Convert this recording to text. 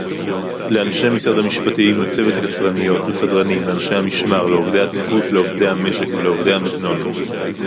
לאנשי משרד המשפטים; לצוות הקצרניות; לסדרנים; לאנשי המשמר; לעובדי הדפוס; לעובדי המשק; ולעובדי המזנון